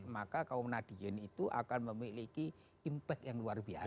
maka kaum nadien itu akan memiliki impact yang luar biasa